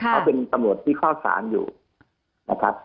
เขาเป็นทำโหลดที่เข้าสารอยู่นะครับค่ะ